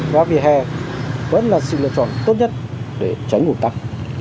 và vì hè vẫn là sự lựa chọn tốt nhất để tránh ủn tắc